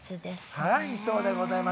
はいそうでございます。